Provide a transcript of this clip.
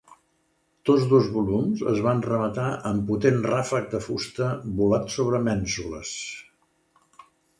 Tots dos volums es van rematar amb potent ràfec de fusta volat sobre mènsules.